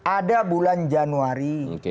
ada bulan januari